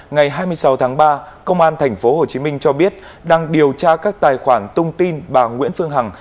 ngày hai mươi sáu tháng ba công an tp hcm cho biết đang điều tra các tài khoản tung tin bà nguyễn phương hằng